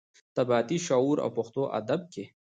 طبقاتي شعور او پښتو ادب کې.